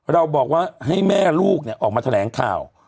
เราบอกว่าให้แม่ลูกออกมาแถลงข่าว